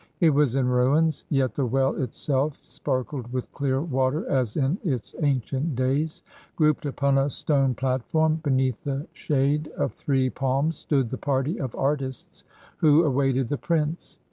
It was in ruins, yet the well itself sparkled with clear water as in its ancient days. Grouped upon a stone platform, be neath the shade of three palms, stood the party of artists who awaited the prince.